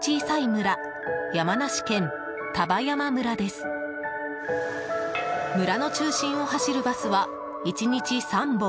村の中心を走るバスは１日３本。